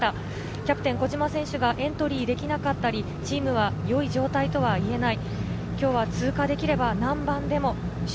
キャプテン・小島選手がエントリーできなかったり、チームは良い状態とは言えない。